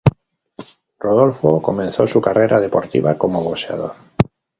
Rodolfo comenzó su carrera deportiva como boxeador.